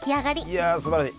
いやすばらしい。